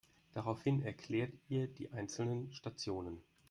Daraufhin erklärt ihr die einzelnen Stationen.